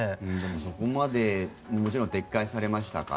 そこまでもちろん撤回されましたから。